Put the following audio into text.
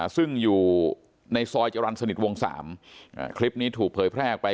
ซึ่งอยู่ในซอยจรรย์สนิทวง๓คลิปนี้ถูกเผยแพร่ออกไป